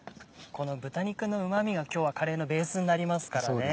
この豚肉のうま味が今日はカレーのベースになりますからね。